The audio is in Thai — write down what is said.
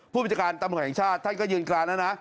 ผู้บัญชาการตำรวจแห่งชาติท่านก็ยืนกรานแล้วนะ